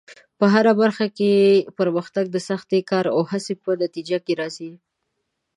په هره برخه کې پرمختګ د سختې کار او هڅې په نتیجه کې راځي.